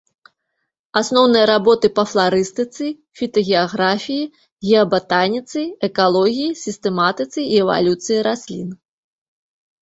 Асноўныя работы па фларыстыцы, фітагеаграфіі, геабатаніцы, экалогіі, сістэматыцы і эвалюцыі раслін.